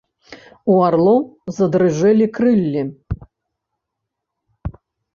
У арлоў задрыжэлі крыллі.